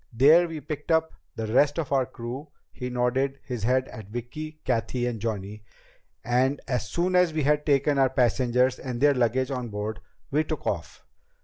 There we picked up the rest of our crew" he nodded his head at Vicki, Cathy, and Johnny "and as soon as we had taken our passengers and their luggage on board, we took off.